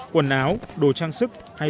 quần áo đồ trang sức hay